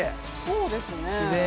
そうですね。